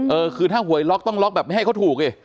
เออคือถ้าหวยล็อกต้องล็อกแบบไม่ให้เขาถูกดิ